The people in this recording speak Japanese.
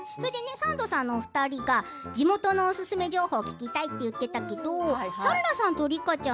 サンドさんのお二人が地元のおすすめ情報を聞きたいと言っていたけど春菜さんと梨花ちゃん